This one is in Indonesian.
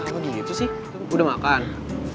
sampai jumpa di video selanjutnya